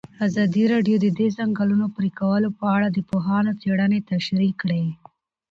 ازادي راډیو د د ځنګلونو پرېکول په اړه د پوهانو څېړنې تشریح کړې.